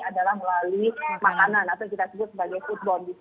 adalah melalui makanan atau kita sebut sebagai food bond